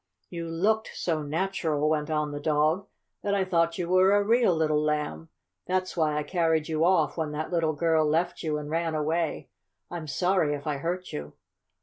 "You looked so natural," went on the dog, "that I thought you were a real little Lamb. That's why I carried you off when that little girl left you and ran away. I'm sorry if I hurt you."